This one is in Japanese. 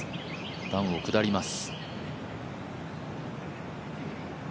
段を下ります。